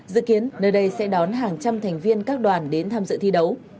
dự kiến nơi đây sẽ đón hàng trăm thành viên các đoàn đến tham dự